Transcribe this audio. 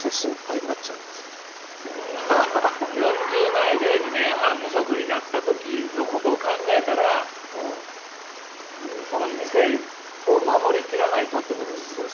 ４０前で２年半無職になった時のことを考えたらその店を守り切らないとってことですか？